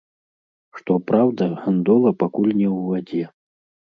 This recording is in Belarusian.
Што праўда, гандола пакуль не ў вадзе.